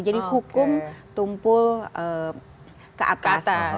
jadi hukum tumpul ke atas